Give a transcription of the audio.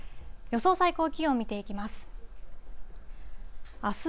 予想最高気温、見ていきます。